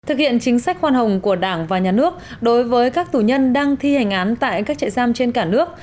thực hiện chính sách khoan hồng của đảng và nhà nước đối với các tù nhân đang thi hành án tại các trại giam trên cả nước